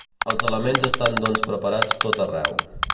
Els elements estan doncs preparats tot arreu.